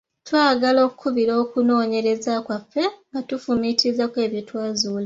Twagala okukubira okunooyereza kwaffe nga tufumiitiriza kwebyo bye twazuula.